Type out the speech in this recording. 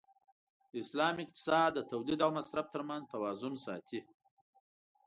د اسلام اقتصاد د تولید او مصرف تر منځ توازن ساتي.